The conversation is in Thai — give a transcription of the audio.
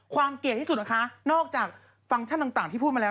เกลียดที่สุดนะคะนอกจากฟังก์ชั่นต่างที่พูดมาแล้ว